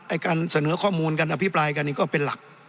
การเสนอข้อมูลการอภิปรายกันนี่ก็เป็นหลัก